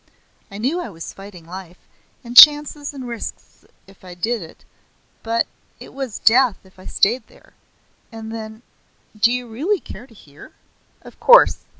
I knew I was fighting life and chances and risks if I did it; but it was death if I stayed there. And then Do you really care to hear?" "Of course.